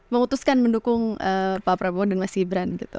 memutuskan mendukung pak prabowo dan mas gibran gitu